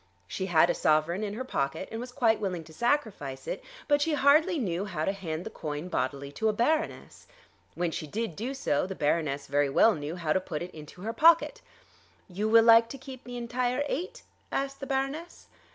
She had a sovereign in her pocket, and was quite willing to sacrifice it; but she hardly knew how to hand the coin bodily to a Baroness. When she did do so, the Baroness very well knew how to put it into her pocket. "You vill like to keep the entire eight?" asked the Baroness.